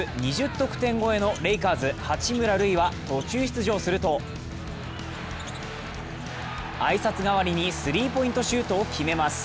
得点超えのレイカーズ・八村塁は途中出場すると、挨拶代わりにスリーポイントシュートを決めます。